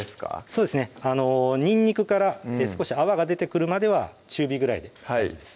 そうですねにんにくから少し泡が出てくるまでは中火ぐらいで大丈夫です